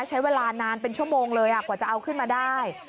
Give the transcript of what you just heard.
ใช้เวลานานเป็นชั่วโมงเลยกว่าจะเอาขึ้นมาได้